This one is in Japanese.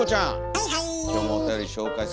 はいはい。